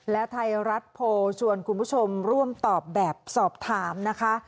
และไทยรัฐโพลชวนคุณผู้ชมร่วมตอบแบบสอบถามนะคะ